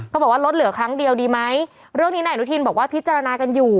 บอกว่าลดเหลือครั้งเดียวดีไหมเรื่องนี้นายอนุทินบอกว่าพิจารณากันอยู่